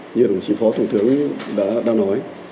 như đồng chí phó thủng thướng đã nói